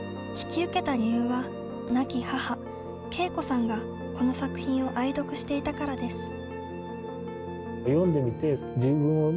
引き受けた理由は亡き母、恵子さんがこの作品を愛読していたからです。